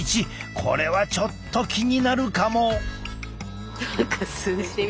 これはちょっと気になるかも。